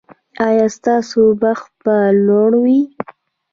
ایا ستاسو بخت به لوړ وي؟